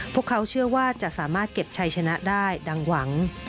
พวกเขาเชื่อว่าจะสามารถเก็บชัยชนะได้ดังหวัง